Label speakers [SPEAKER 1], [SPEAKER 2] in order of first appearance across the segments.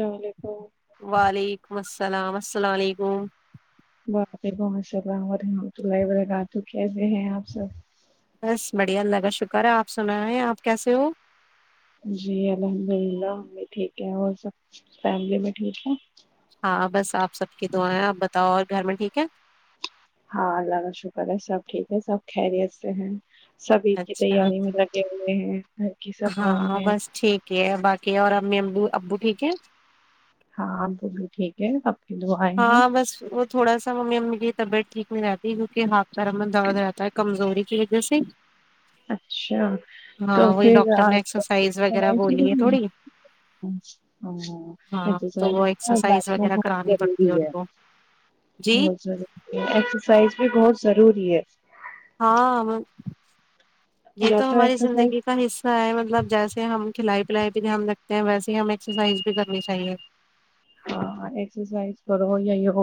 [SPEAKER 1] السلام علیکم
[SPEAKER 2] وعلیکم السلام اس السلام علیکم
[SPEAKER 1] وعلیکم السلام ورحمۃ اللہ وبرکاتہ کیسے ہیں آپ سب
[SPEAKER 2] بس بڑھیا اللہ کا شکر ہے آپ سنا رہ ہیں آپ کیسے ہو
[SPEAKER 1] جی الحمد للہ ہم بھی ٹھیک ہیں اور سب فیملی بھی ٹھیک ہے [unintelligible]
[SPEAKER 2] ہاں بس آپ سب کی دعائیں ہیں آپ بتاؤ اور گھر میں ٹھیک ہے [unintelligible]
[SPEAKER 1] ہاں اللہ کا شکر ہے سب ٹھیک ہے سب خریت سے ہیں [unintelligible] سبھی کی
[SPEAKER 2] اچھا
[SPEAKER 1] تیاری میں لگے ہوئے ہیں [unintelligible] صفائی
[SPEAKER 2] ہاں
[SPEAKER 1] میں
[SPEAKER 2] بس ٹھیک ہے باقی اور امی [unintelligible] او ابو ٹھیک ہے [unintelligible]
[SPEAKER 1] ہاں وہ بھی ٹھیک ہے سب [unintelligible]
[SPEAKER 2] ہاں بس وہ تھوڑا سا ممی ممی [unintelligible] طبیعتٹیک نہیں رہتی ہے کیک ہات [unintelligible] گرم میں درا رہتا ہے کمزوری [unintelligible] ج جیسی [unintelligible]
[SPEAKER 1] اچھا تو
[SPEAKER 2] ہاں وہی
[SPEAKER 1] پھر
[SPEAKER 2] ڈاکٹر نے
[SPEAKER 1] [unintelligible]
[SPEAKER 2] ایکسرسائز وغیرہ بولی ہے تھوڑی ہاں تو وہ ایکسرسائز وغیرہ کرانی پڑتی ہے ان کو جی
[SPEAKER 1] بہت زیارہ ایکسرسائز بھی بہت [inaudible] ضروری ہے
[SPEAKER 2] ہاں یہ
[SPEAKER 1] یا
[SPEAKER 2] تو ہماری
[SPEAKER 1] ایکسرسائز
[SPEAKER 2] زندگی کا حصہ ہے مطلب جیسے ہم کھلائی سل بھی دھیان رکھتے ہیں ویسے ہمیں ایکسرسائز بھی کرنی چاہیے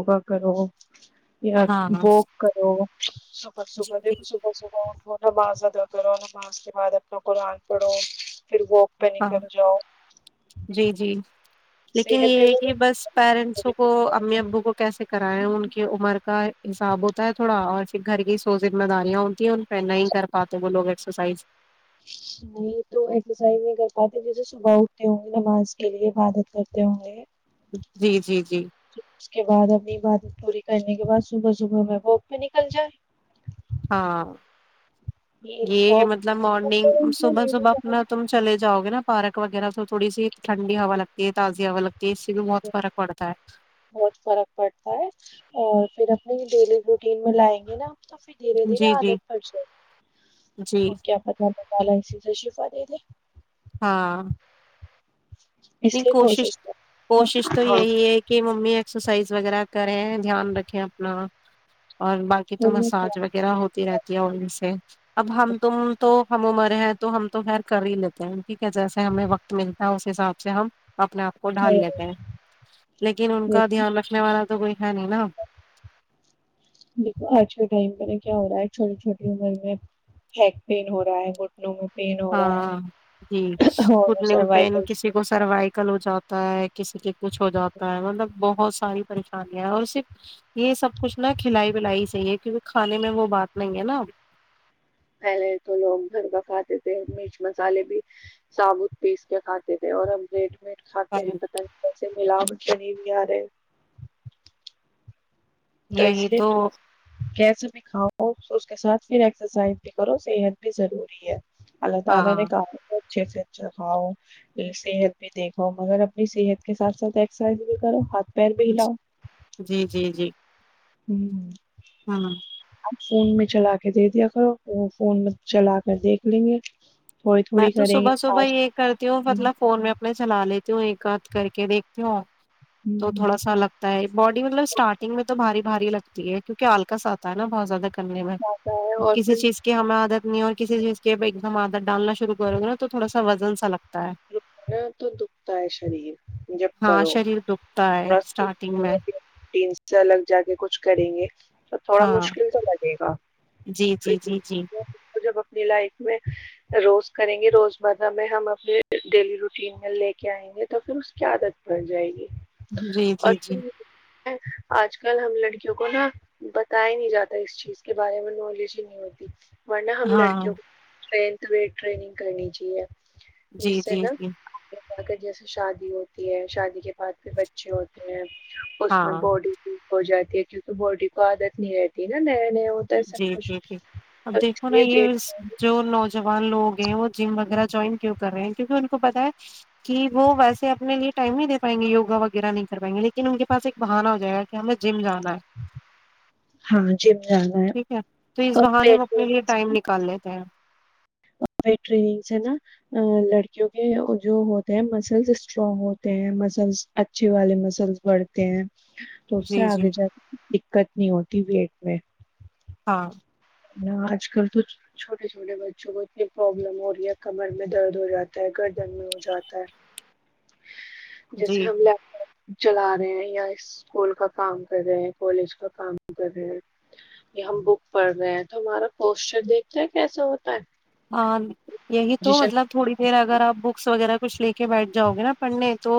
[SPEAKER 1] ا کرو یا
[SPEAKER 2] ہاں
[SPEAKER 1] وک
[SPEAKER 2] جی
[SPEAKER 1] کربحبح
[SPEAKER 2] جی
[SPEAKER 1] دھبحبح اٹھ نماز ادا کرو نماز کے بعد اپنا قرآن پڑھو پھر واک پہ
[SPEAKER 2] ہاں
[SPEAKER 1] نکل جاؤ
[SPEAKER 2] جی جی لیکن
[SPEAKER 1] صحت
[SPEAKER 2] ہے یہ
[SPEAKER 1] بنی
[SPEAKER 2] بس پیرنٹسوں کو امی ابو کو کیسے سے کرائے ہیں ان کی عمر کا حساب ہوتا ہے تھوڑا اور پھر گھر کی سو ذمہ داریاں ہوتی ہیں پ نہیں کر پاتے وہ لگ ایس تو سائز
[SPEAKER 1] نہیں تو ایکسرسائز نہیں کر پاتے جیسے صبح اٹھتے ہوں گے نماز کے لیے عبادت کرتے ہوں گے
[SPEAKER 2] جی جی جی
[SPEAKER 1] اس کے بعد اپنی عبادت پوری کرنے کے بعد صبح صبح میں وہ پہ نکل جائے
[SPEAKER 2] ہاں یہ مطلب مارننگ
[SPEAKER 1] واک
[SPEAKER 2] صبح صبح اپنا تم چلے جاؤ گے نا پارک وغیرہ تو تھوڑی سی ٹنی ہ ہوا لگتی ہے تازی ہ ہوا لگتی ہے اس سے بھی بہت فرق پڑتا
[SPEAKER 1] بہت فرق پڑتا ہے اور پھر اپنی ڈیلی روٹین میں لائیں گے نا تو پھر دھیرے
[SPEAKER 2] ہے
[SPEAKER 1] دھیرے
[SPEAKER 2] جی جی
[SPEAKER 1] آادت پڑ جائے
[SPEAKER 2] جی
[SPEAKER 1] اور کیا پتف دے
[SPEAKER 2] ہاں
[SPEAKER 1] چ
[SPEAKER 2] نہیں کوشش کوشش تو
[SPEAKER 1] ہاں
[SPEAKER 2] یہ کہ ممی اسرسائز وغیرہ کریں دھیان رکھیں اپنا اور باقی تو
[SPEAKER 1] اور
[SPEAKER 2] مساج وغیرہ ہوتی رہتی ہے ان سے اب ہم تم تو ہم عمر ہیں تو ہم تو خیر کر ہی لیتے ہیں ٹھیک ہے جیسے ہمیں وقت ملتا ہے اس حساب اچھا ہم اپنے آپ کو ڈھال لیتے ہیں لیکن
[SPEAKER 1] میں بات
[SPEAKER 2] ان
[SPEAKER 1] کر رہی
[SPEAKER 2] کا
[SPEAKER 1] تھی،
[SPEAKER 2] دھیان رکھنے والا تو کوئی ہے نہیں نا
[SPEAKER 1] دیکھو آج کے ٹائم پہ نا کیا ہو رہا ہے چھوٹی چھوٹی عمر میں ہیک پین ہو رہا ہے گھٹنوں میں پین ہو رہا
[SPEAKER 2] ہاں جی
[SPEAKER 1] ہے اور
[SPEAKER 2] پم پین
[SPEAKER 1] سروائکل
[SPEAKER 2] کسی کو سروائیکل ہو جاتا ہو ہے کسی کے کچھ ہو جاتا ہے مطلب بہت ساری پریشانیاں ہیں اور صرف یہ سب کچھ نا کھلائی ولائی سےحی ہے کیونکہ کھانے میں وہ بات نہیں ہے نا
[SPEAKER 1] پہلے تو لوگ گھر کا کھاتے تھے مرچ مسالے بھی ثابوت پیس کے کھاتے تھے اور املیٹ یٹ کھاتے ہیں پتسے لام کیا نہیں بھی یار
[SPEAKER 2] یہی تو
[SPEAKER 1] کیسے بھی کاؤ تو اس کے ساتھ پھر ایکسرسائز بھی کرو صحت بھی ضروری ہے
[SPEAKER 2] ہاں
[SPEAKER 1] [unintelligible] اچھے سے اچھا کھاؤ صحت بھی دیکھو مگر اپنی صحت کے ساتھ ساتھ ایکسرسائز بھی کرو ہاتھ پیر بھی
[SPEAKER 2] جی
[SPEAKER 1] ہلاؤ
[SPEAKER 2] جی جی جی
[SPEAKER 1] ہوں
[SPEAKER 2] ہوں
[SPEAKER 1] آپ فون میں چلا کے دے دیا کر وہ فون میں چلا کر دیکھ لیں گے تھوڑی
[SPEAKER 2] میں
[SPEAKER 1] تھوڑی
[SPEAKER 2] تو
[SPEAKER 1] کریں گے
[SPEAKER 2] صبح صبح
[SPEAKER 1] پاس
[SPEAKER 2] یہ کرتی ہوں مطلب فون میں اپنے چلا لیتی ہوں ایک کاات کر کے دیکھتی ہووں تو تھوڑا سا لگتا ہے باڈی مطلب اسٹارٹنگ میں تو باری باری لگتی ہے کیونکہ آلکااتاتا ہےا بہت زیادہ کرنے میں
[SPEAKER 1] جاتا ہے اور
[SPEAKER 2] کسی
[SPEAKER 1] پھر
[SPEAKER 2] چیز کی ہمیں عادت نہیں ہو کسی چیز کے ایک دم آدر ڈالنا و کرو گا تو تھوڑا وزن ساگتا
[SPEAKER 1] رکا تو دکھتا ہے شریر جب
[SPEAKER 2] ہاں
[SPEAKER 1] کرو
[SPEAKER 2] شریر دکھتا ہے
[SPEAKER 1] تھڑا
[SPEAKER 2] اسٹارٹنگ میں
[SPEAKER 1] سے الگ جا کے کچھ کریں گے تو تھوڑا
[SPEAKER 2] ہاں
[SPEAKER 1] مشکل تو لگے گا
[SPEAKER 2] جی جی جی جی
[SPEAKER 1] پھر جب اپنی لائف میں روز کریں گے روزمرہ میں ہم اپنے [unintelligible]
[SPEAKER 2] جی جی
[SPEAKER 1] اور
[SPEAKER 2] جی
[SPEAKER 1] پھر آج کل ہم لڑکیوں کو نا بتایا نہیں جاتا اس چیز کے بارے میں نالج ہی نہیں ہوتی ورنہ ہم
[SPEAKER 2] ہاں
[SPEAKER 1] لڑکیوں کو ٹن ٹریننگ کرنی چاہیے
[SPEAKER 2] جی
[SPEAKER 1] جیس سے
[SPEAKER 2] جی
[SPEAKER 1] نا
[SPEAKER 2] جی
[SPEAKER 1] [unintelligible] اگر جیسے شادی ہوتی ہے شادی کے بعد پھر بچے ہوتے ہیں اس میں
[SPEAKER 2] ہاں
[SPEAKER 1] باڈی پیک ہو جاتی کیونکہ باڈی کو عادت نہیں رہتی نا ن
[SPEAKER 2] جی جی جی اب
[SPEAKER 1] اس
[SPEAKER 2] دیکھو نا
[SPEAKER 1] لیے
[SPEAKER 2] یہ
[SPEAKER 1] ویٹ
[SPEAKER 2] جو نوجوان لوگ ہیں وہ جم وغیرہ جوائن کیوں کر رہے ہیں کیونکہ ان کو پتا ہے کہ وہ ویسے اپنے لیے ٹائم نہیں دے پائیں گے وگا وغیرہ نہیں کر پائیں گے لیکن ان کے پاس ایک بہانا ہو جائے گا کہ ہمیں جم جانا ہے
[SPEAKER 1] ا ٹ
[SPEAKER 2] [unintelligible] ہے تو اس بہانے میں اپنے لیے ٹائم نکال لیتے ہیں
[SPEAKER 1] نا لڑکی [inaudible] کیونکہ جو ہوتے ہیں مسلس اسٹرانگ ہوتے ہیں مسلس اچھے والے مسلس بڑھتے ہیں تو اس سے
[SPEAKER 2] جی جی
[SPEAKER 1] آگے جات [unintelligible] دقت نہیں ہوتی وٹ میں
[SPEAKER 2] ہاں
[SPEAKER 1] آج کل تو چھوٹے چھوٹے بچوں کو اتنی پرابلم ہو رہی ہے کمر میں درد ہو جاتا ہے گردن میں ہو جاتا ہے جیسے
[SPEAKER 2] جی
[SPEAKER 1] ہم ل [unintelligible] چلا رہے ہیں یا اسکول کا کام کر رہے ہیں کالج کا کام کر رہے ہیں یا ہم بک پڑھ رہے ہیں تو ہمارا پوسٹر دیکھتا ہے کیسا ہوتا ہے
[SPEAKER 2] ہاں یہی تو
[SPEAKER 1] پوزیشن
[SPEAKER 2] مطلب تھوڑی دیر اگر آپ بکس وغیرہ کچھ لے کے بیٹھ جاؤے نا پڑھنے تو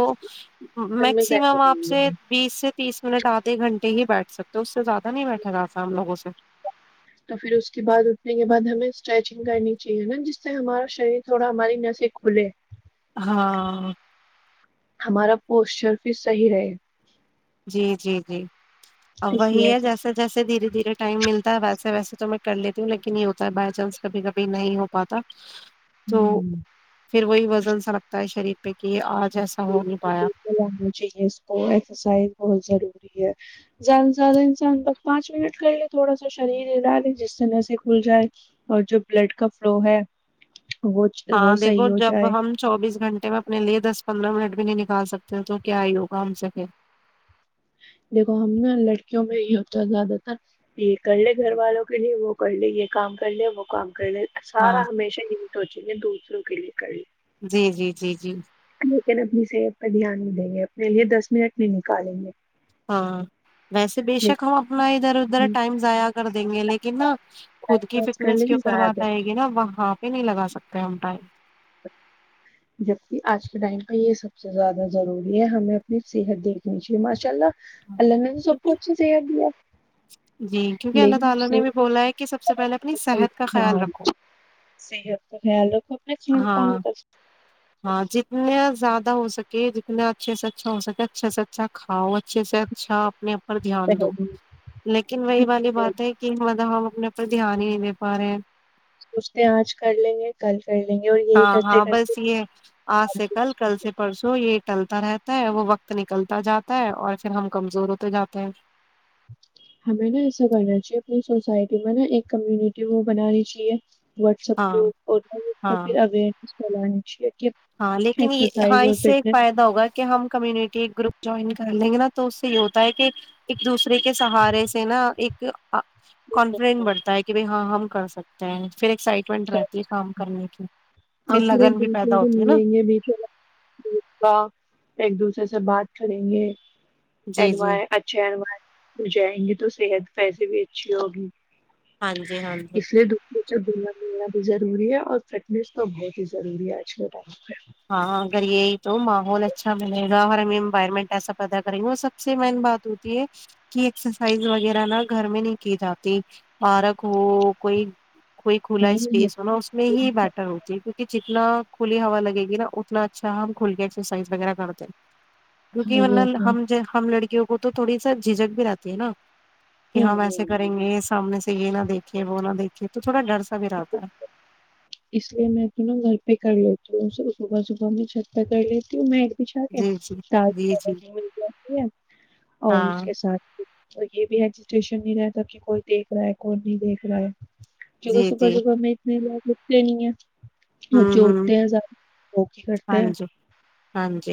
[SPEAKER 1] میں
[SPEAKER 2] میکسمم آپ
[SPEAKER 1] بیٹھے
[SPEAKER 2] سے بیس سے تیس منٹ آدھے گھنٹے ہی بیٹھ سکتے تو زیادہ نہیں بیٹا رہا تھا ہم لگوں سے
[SPEAKER 1] تو پھر اس کے بعد اٹھنے کے بعد ہمیں اسٹریچنگ کرنی چاہیے نا جس سے ہمارا شریر تھوڑا ہماری نسے کھلے
[SPEAKER 2] ہاں
[SPEAKER 1] ہمارا پوسچر بھی صحیح رہے
[SPEAKER 2] جی جی جی ا
[SPEAKER 1] اس
[SPEAKER 2] وہی
[SPEAKER 1] لیے
[SPEAKER 2] ہے جیسے جیسے دھیرے دھیرے م ٹائم ملتا ہے ویسے ویسے تو میں کر لیتی ہوں لیکن یہ ہوتا ہے بائی چانس کبھی کبھی نہیں ہو پاتا تو پھر وہی وزن سا لگتا ہے شریر پہ کہ آج ایسا ہو نہیں پایا
[SPEAKER 1] ا چاہیے اس کو ایکسرسائز بہت ضروری ہے زیادہ سے زیادہ انسان لگ پانچ منٹ کر لے تھوڑا سا شریر ہی ڈالے جس سے نسے کھل جائے اور جو بلڈ کا فلو ہے وہ
[SPEAKER 2] ہاں
[SPEAKER 1] وہ
[SPEAKER 2] دیکھو
[SPEAKER 1] صحیح ہو
[SPEAKER 2] جب
[SPEAKER 1] جائے
[SPEAKER 2] ہم چوبیس گھنٹے میں اپنے لیے دس پندرہ منٹ بھی نہیں نکال سکتے تو کیا آئی ہوگا ہم سے کہ
[SPEAKER 1] دیکھو ہم نا لڑکیوں میں یہ ہوتا زیادہتار یہ کر لے گھر والوں کے لیے وہ کر لے یہ کام کر لے وہ کام ے سارا
[SPEAKER 2] ہاں
[SPEAKER 1] ہمیشہ ہیٹ ہووچے گے د شرو کےیے ک
[SPEAKER 2] جی جی جی جی
[SPEAKER 1] لیکن اپنی صحت پہ دھیان نہیں دیں گے اپنے لیے دس منٹ نہیں نکالیں گے
[SPEAKER 2] ہاں ویسے بے شک ہم اپنا ادھر ادھر
[SPEAKER 1] لیکن
[SPEAKER 2] ٹائم ضائع کر دیں گے لیکن نا خود کی
[SPEAKER 1] خرچ کر
[SPEAKER 2] فٹنیس
[SPEAKER 1] لے
[SPEAKER 2] کے اوپر
[SPEAKER 1] ضائع
[SPEAKER 2] بات
[SPEAKER 1] کر
[SPEAKER 2] آئے گی نا وہ وہاں پہ ہاھت نہیں لگا سکتے ڑیم پے
[SPEAKER 1] اچ [inaudible] جبکہ آج کے ٹائم پہ یہ سب سے زیادہ ضروری ہے ہمیں اپنی صحت دیکھنی چاہیے ماشاء اللہ
[SPEAKER 2] ہاں
[SPEAKER 1] اللہ نے سب کو
[SPEAKER 2] کیونکہ
[SPEAKER 1] اچھی صحت دی ہے
[SPEAKER 2] کیونکہ اللہ
[SPEAKER 1] لیکن
[SPEAKER 2] تعالی
[SPEAKER 1] اس
[SPEAKER 2] نے ہمیں
[SPEAKER 1] صحت
[SPEAKER 2] کہاں ہے کہ سب سے پہلے اپنی صحت کا خیال
[SPEAKER 1] ہاں
[SPEAKER 2] رکھو
[SPEAKER 1] صحت کا
[SPEAKER 2] ہاں
[SPEAKER 1] [inaudible]
[SPEAKER 2] ہاں جتنا زیادہ ہو سکتا کہ جتنا اچھے سے اچھا ہو سک اچھے سے اچھا کھاؤ اچھے سے اچھا اپنے پر دھیان دو
[SPEAKER 1] خیال
[SPEAKER 2] لیکن وہی والی
[SPEAKER 1] رکھو،
[SPEAKER 2] بات ہے کہ اپ پر دھیان ہی نہیں دے پا رہے ہیں
[SPEAKER 1] سوچتے ہیں آج کر لیں گے کل کر لیں گے اور یہی
[SPEAKER 2] ہاں
[SPEAKER 1] کرتے
[SPEAKER 2] ہاں
[SPEAKER 1] کرتے
[SPEAKER 2] بس یہ آج سے کل کل سے پرسوں یہ لتا رہتا ہے وہ وقت نکلتا جاتا ہے اور پھر ہم کمزور ہوتے جاتے ہیں
[SPEAKER 1] ہمیں نا ایسا کرنا چاہیے اپنی سوسائٹی میں نا ایک کمیونٹی وہ بنانی چاہیے واٹسپ
[SPEAKER 2] ہاں
[SPEAKER 1] گروپ اورہ
[SPEAKER 2] ہاں
[SPEAKER 1] پھر اویر چلانچی
[SPEAKER 2] ہاں لیکن ہاں اس سے ایک فائدہ ہوگا کہ ہم کمیونٹی ایک گروپ جوائن کر لیں گے نا تو اس سے یہ ہوتا ہے کہ ایک دوسرے کے سہارے سے نا ایک کانفیڈینس بڑھتا ہے کہ بھائی ہاں ہم کر سکتے تھینک [inaudible] پھر ایکسائٹمنٹ رہتی ہے کام کرنے اچھ [inaudible]
[SPEAKER 1] اور [inaudible] ملیں گے بیچھے ایک دوسرے سے بات کریں گے
[SPEAKER 2] جی جی
[SPEAKER 1] اچھے انویرنامنٹ میں جائیں گے تو صحت پیسے بھی اچھی ہوگی
[SPEAKER 2] ہاں جی ہاں جی
[SPEAKER 1] اس لیے دسے [inaudible] دوری ہے اور فٹنیس تواں بہت ہی ضری ہے آج کے ٹائم
[SPEAKER 2] ہاں اگر یہی تو محول اچھا ملے گا ہر میں ارز گھر میں نہیں جات کو کوئی کوئی کھلا
[SPEAKER 1] میں۔ نہیں
[SPEAKER 2] اسپیس ہوناا اس میں ہی بیٹر ہوتی ہے کیونکہ جتنا ک ہ ہوا لگےا یہ نا اتنا اچھا ہم کھل کے ایکسرسائز وغیرہ کرتے ہیں کیونکہ مورہ
[SPEAKER 1] یہ تو
[SPEAKER 2] ہم ج ہم لڑکیوں وہ تو تھوڑی سا جھجک بھی رہتی ہے نا کہ
[SPEAKER 1] ہوں ہوں
[SPEAKER 2] ہم ایسے
[SPEAKER 1] ہوں
[SPEAKER 2] کریں گے سامنے سے یہ نہ دیک رے وہ نہ دیکھیے تو تھوڑا ڈر سا بھی رہتا ہے
[SPEAKER 1] اس لیے میں تو نا گھر پہ کر لیتی ہوں صبح صبح میں چھت پہ کر لیتی ہوں میں بچھا کے
[SPEAKER 2] جی جی جی جی
[SPEAKER 1] دالہ مل جاتی ہے اور اس
[SPEAKER 2] ہاں
[SPEAKER 1] کے ساتھ تو یہ بھی ایجسٹشن نہیں رہتا کہ کوئی دیکھ رہا ہے کوئی نہیں دیکھ رہا ہے جک
[SPEAKER 2] جی
[SPEAKER 1] صبح
[SPEAKER 2] جی
[SPEAKER 1] صبح میں اتنے ز لین ہے اور
[SPEAKER 2] ہوں ہوں
[SPEAKER 1] جوٹتے ہیں زیادہ وہکی کرتے
[SPEAKER 2] ہاں
[SPEAKER 1] ہیں
[SPEAKER 2] جی ہاں جی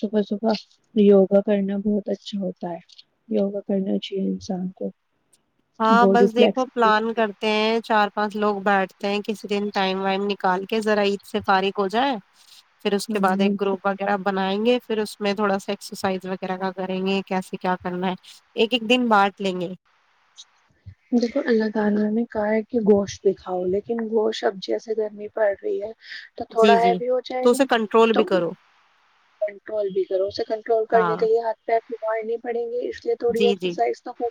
[SPEAKER 1] صبح صبح یوگا کرنا بہت اچھا ہوتا ہے یوگا کرنا چاہیے انسان کو
[SPEAKER 2] ہاں
[SPEAKER 1] باڈی
[SPEAKER 2] بس دیکھو پلان کرتے ہیں چار پانچ لوگ بیٹھ کسی دن ٹائم وائم نکال کے ذرا عید سے فارغ ہو جائے پھر اس کے بعد ایک
[SPEAKER 1] فلیکس
[SPEAKER 2] گروپ وغیرہ بنائیں گے پھر اس میں تھوڑا سا ایکسرسائز وغیرہ کا کریں گے کیسے کیا کرنا ہے ایک ایک دن بانٹ لیں گے
[SPEAKER 1] [inaudible] تو
[SPEAKER 2] جی
[SPEAKER 1] تھوڑا
[SPEAKER 2] جی
[SPEAKER 1] ہیوی ہو جائے
[SPEAKER 2] تو
[SPEAKER 1] گا
[SPEAKER 2] اسے کنٹرول
[SPEAKER 1] تو
[SPEAKER 2] بھی کرو
[SPEAKER 1] کنٹرول بھی کرو اسے کنٹرول کرنے
[SPEAKER 2] ہاں
[SPEAKER 1] کے لیے ہاتھ پیر وڑنی پڑیں گے اسے تھوڑی
[SPEAKER 2] جی جی
[SPEAKER 1] ایکسرسائز تو ہو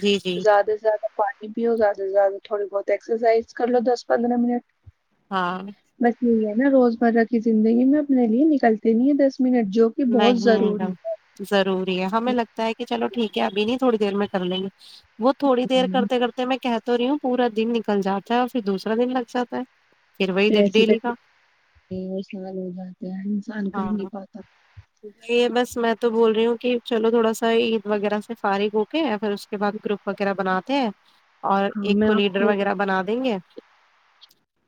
[SPEAKER 2] جی جی
[SPEAKER 1] زیادہ زیادہ پانی بھی ہو زیادہ سے زیادہ تھوڑی بہت ایکسرسائز کر لو دس پندرہ منٹ
[SPEAKER 2] ہاں
[SPEAKER 1] بس یہی ہے نا روزمرہ کی زندگی میں اپنے لیے نکلتے نہیں ہیں دس منٹ جو کہ بہت
[SPEAKER 2] نہیں
[SPEAKER 1] ضروری
[SPEAKER 2] مڈم ضروری ہے ہمیں لگتا ہے کہ چلو ٹھیک ہے ابھی نہیں تھوڑی دیر میں کر لیں گے وہ تھوڑی دیر
[SPEAKER 1] ہوں،
[SPEAKER 2] کرتے کرتے میں کہ تو رہی ہوں پورا دن نکل جاتا ہے اور پھر دوسا دن لگ جاتا ہے وہی
[SPEAKER 1] پھر ایسی ک
[SPEAKER 2] ڈیلی کا
[SPEAKER 1] وہ سال ہو جاتے ہیں ہر انسان کر
[SPEAKER 2] ہاں
[SPEAKER 1] نہیں پاتا
[SPEAKER 2] بس میں تو بول رہی ہوں کہ چلو تھوڑا سا عید وغیرہ سے فارغ ہو کے پھر اس کے بعد گروپ وغیرہ بناتے ہیں اور
[SPEAKER 1] ہاں
[SPEAKER 2] ایک
[SPEAKER 1] میں
[SPEAKER 2] کو
[SPEAKER 1] آپ
[SPEAKER 2] لیڈر وغیرہ بنا دیں گے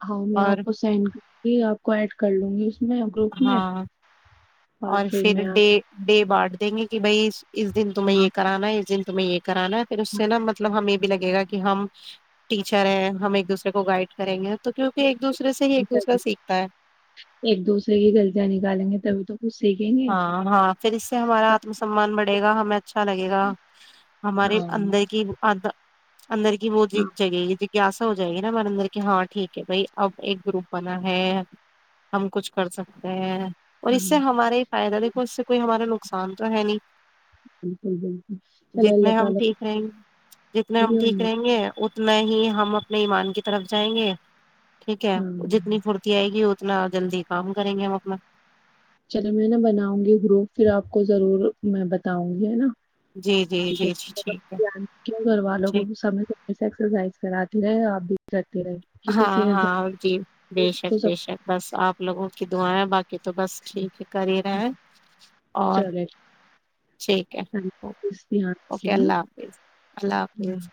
[SPEAKER 1] ہاں میں
[SPEAKER 2] اور
[SPEAKER 1] آپ کو سینڈ کروں گی آپ کو ایڈ کر لوں گی اس میں گروپ میں
[SPEAKER 2] ہاں اور پھر ڈے ڈے بارٹ دیں گے کہ بائی اس دن تمہیں یہ
[SPEAKER 1] آپ
[SPEAKER 2] کرانا اس دن تمہیں یہ کرانا پھر اس سے نا مطلب ہمیں بھی لگے گا کہ ہم ٹیچر ہیں ہم ایک دوسرے کو گائڈ کریں گے تو کیونکہ ایک دوسرے سے ہی ایک دوسرا سیکھتا ہے
[SPEAKER 1] ایک دوسرے کی غلطیاں نکالیں گے تبھی تو کچھ سیکھیں گے
[SPEAKER 2] ہاں ہاں پھر اس سے ہمارا آتم سمان بڑھے گا ہمیں اچھا لگے گا
[SPEAKER 1] ہاں
[SPEAKER 2] ہمارے اندر
[SPEAKER 1] ہاں
[SPEAKER 2] کی اندر کی وہ ج جگہ جاسا ہو جائے گی نا ہمارے اندر کی ہاں ٹھیک ہے بھائی اب ایک گروپ بنا ہے ہم کچھ کر سکتے ہیں اور اس
[SPEAKER 1] ہاں
[SPEAKER 2] سے ہمارے فائد کچھ کوئی ہمار نقصان تو ہے نہیں
[SPEAKER 1] بالکل بالکل چلے
[SPEAKER 2] جتنے
[SPEAKER 1] اللہ
[SPEAKER 2] ہم
[SPEAKER 1] تعالی
[SPEAKER 2] ٹھیک رہیں گے جتنے
[SPEAKER 1] کی
[SPEAKER 2] ہم
[SPEAKER 1] مرضی اور
[SPEAKER 2] ٹھیک
[SPEAKER 1] مجھ-
[SPEAKER 2] رہیں گے اتنا ہی ہم اپنے ایمان کی طرف جائیں گے ٹھیک ہے
[SPEAKER 1] ہاں
[SPEAKER 2] جتنی پھرتی آئے گی اتنا جلدی کام کریں گے ہم اپنا
[SPEAKER 1] چلو میں نا بناؤں گی گروپ پھر آپ کو ضرور میں بتاؤں گی ہے نا
[SPEAKER 2] جی جی
[SPEAKER 1] ٹھیک
[SPEAKER 2] جی جی ٹھیک
[SPEAKER 1] ہے گھر والوں کو
[SPEAKER 2] ٹھیک
[SPEAKER 1] س سمے سے ایکسرسائز کراتی رہے آپ بھی سک
[SPEAKER 2] ہاں ہاں جی بے
[SPEAKER 1] ہے
[SPEAKER 2] شک
[SPEAKER 1] تو
[SPEAKER 2] بے
[SPEAKER 1] سب
[SPEAKER 2] شک بس آپ لوگوں کی تویں بقی تو بس ٹھیک ہے کر ہی رہے اور
[SPEAKER 1] چلے
[SPEAKER 2] ٹھیک ہے
[SPEAKER 1] اللہ حافظ، دھیان رکھیے
[SPEAKER 2] اوکے اللہ
[SPEAKER 1] ہے
[SPEAKER 2] حافظ اللہ
[SPEAKER 1] نا
[SPEAKER 2] حافظ